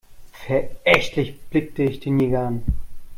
Verächtlich blickte ich den Jäger an.